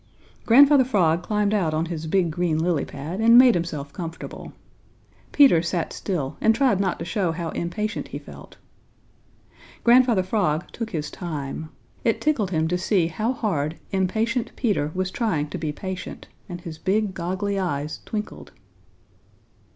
Grandfather Frog climbed out on his big green lily pad and made himself comfortable. Peter sat still and tried not to show how impatient he felt. Grandfather Frog took his time. It tickled him to see how hard impatient Peter was trying to be patient, and his big, goggly eyes twinkled.